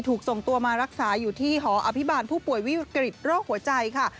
ถูกส่งตัวมารักษาอยู่ที่หออภิบาลผู้ป่วยวิกฤตโรคหัวใจค่ะ